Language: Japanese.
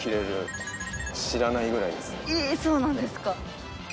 えぇそうなんですか。